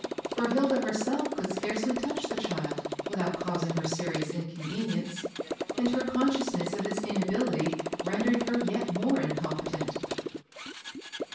For Hilda herself could scarcely touch the child without causing her serious inconvenience, and her con sciousness of this inability rendered her yet more incompetent.